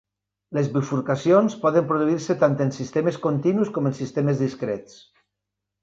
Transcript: Les bifurcacions poden produir-se tant en sistemes continus com en sistemes discrets.